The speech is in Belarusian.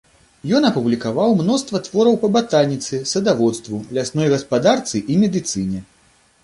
Ён апублікаваў мноства твораў па батаніцы, садаводству, лясной гаспадарцы і медыцыне.